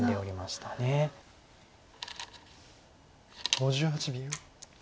５８秒。